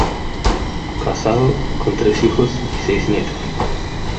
Casado, con tres hijos y seis nietos.